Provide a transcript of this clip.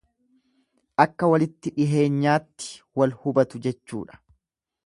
Akka walitti dhiheenyaatti wal hubatu jechuudha.